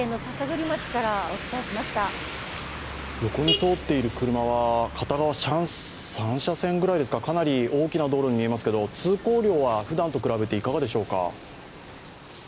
横を通っている車は片側３車線ぐらいですか、かなり大きな道路に見えますけれども、通行量はふだんと比べていかがでしょうか。